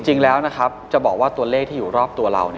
จริงแล้วนะครับจะบอกว่าตัวเลขที่อยู่รอบตัวเรา